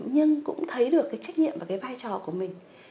nhưng cũng thấy được cái trách nhiệm và cái vai trò của mình